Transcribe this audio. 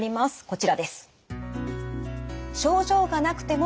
こちらです。